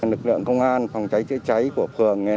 lực lượng công an phòng cháy chữa cháy của phường